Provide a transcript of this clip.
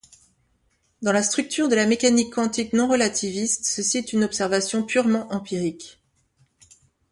Dans la structure de la mécanique quantique non-relativiste, ceci est une observation purement empirique.